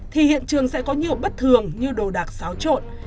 thì hiện trường sẽ có nhiều bất thường như đồ đạc xáo trộn